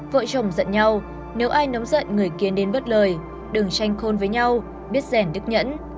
vợ chồng giận nhau nếu ai nóng giận người kia đến bất lời đừng tranh khôn với nhau biết rèn đức nhẫn